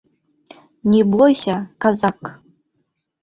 Не бойся, казак!